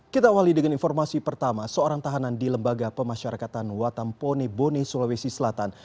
kita awali dengan informasi pertama seorang tahanan di lembaga pemasyarakatan watampone bone sulawesi selatan